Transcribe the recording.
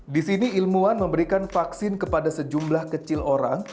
di sini ilmuwan memberikan vaksin kepada sejumlah kecil orang